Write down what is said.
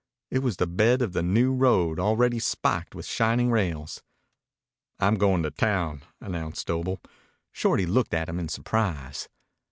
It was the bed of the new road already spiked with shining rails. "I'm goin' to town," announced Doble. Shorty looked at him in surprise.